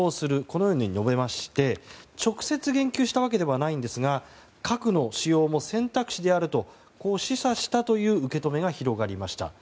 このように述べまして直接言及したわけではないんですが核の使用も選択肢であると示唆したという受け止めが広がりました。